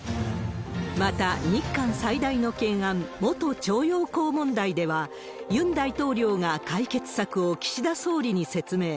また、日韓最大の懸案、元徴用工問題では、ユン大統領が、解決策を岸田総理に説明。